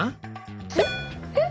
えっえっ？